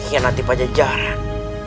jika kau mengkhianati pajajaran